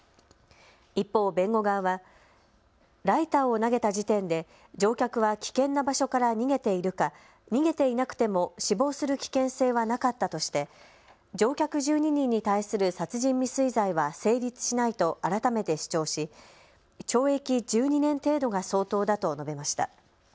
一方、弁護側はライターを投げた時点で乗客は危険な場所から逃げているか逃げていなくても死亡する危険性はなかったとして乗客１２人に対する殺人未遂罪は成立しないと改めて主張し、懲役１２年程度が相当だと述べました。